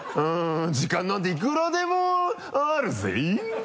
時間なんていくらでもあるぜぇ。